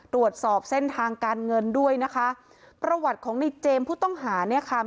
ตรวจสอบเส้นทางการเงินด้วยนะคะประวัติของในเจมส์ผู้ต้องหาเนี่ยค่ะ